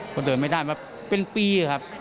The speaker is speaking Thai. พอเดินไม่ได้มาเป็นปีครับ